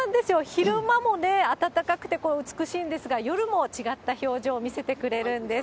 昼間もね、暖かくて美しいんですが、夜も違った表情を見せてくれるんです。